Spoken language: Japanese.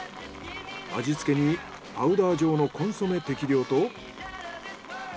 味付けにパウダー状のコンソメ適量と。